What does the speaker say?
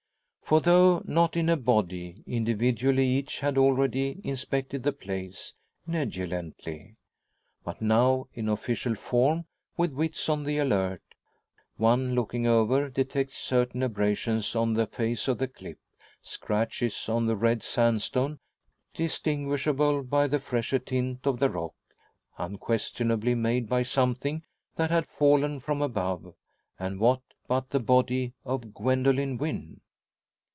For though not in a body, individually each had already inspected the place, negligently. But now in official form, with wits on the alert, one looking over detects certain abrasions on the face of the cliff scratches on the red sandstone distinguishable by the fresher tint of the rock unquestionably made by something that had fallen from above, and what but the body of Gwendoline Wynn?